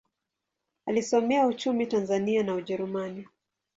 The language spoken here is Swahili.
Alisomea uchumi Tanzania na Ujerumani.